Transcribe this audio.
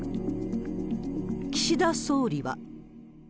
岸田総理は。